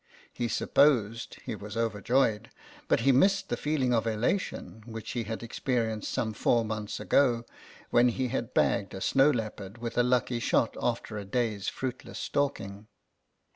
He supposed he was overjoyed, but he missed the feeling of elation which he had experienced some four months ago when he had bagged a snow leopard with a lucky shot after a day's fruitless stalking.